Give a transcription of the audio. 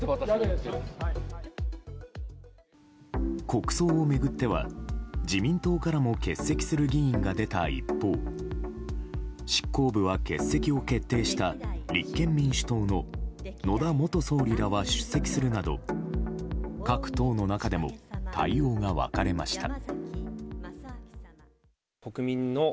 国葬を巡っては自民党からも欠席する議員が出た一方執行部は欠席を決定した立憲民主党の野田元総理らは出席するなど各党の中でも対応が分かれました。